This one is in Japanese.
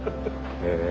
へえ！